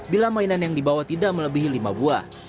bila mainan yang dibawa tidak melebihi lima buah